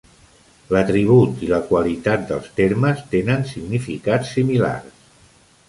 L'atribut i la qualitat dels termes tenen significats similars.